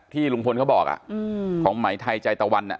ที่ลุงพลเขาบอกอ่ะอืมของไหมไทยใจตะวันน่ะ